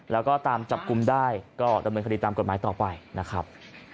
แล้วก็ตามจับกลุ่มได้ก็ดำเนินคดีตามกฎหมายต่อไปนะครับ